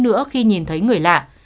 nữa khi nhìn thấy người lạ